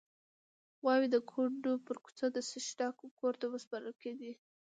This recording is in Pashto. غواوې د کونډو پر کوڅه د څښتنانو کور ته ورسپارل کېدې.